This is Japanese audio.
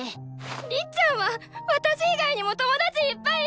りっちゃんは私以外にも友達いっぱいいるじゃん！